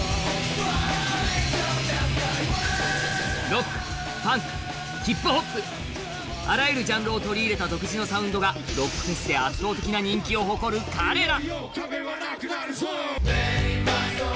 ロック、パンク、ヒップホップあらゆるジャンルを取り入れた独自のサウンドがロックフェスで絶大な人気を誇る彼ら。